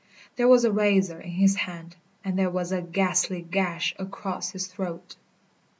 There was a razor in his hand, and there was a ghastly gash across his throat.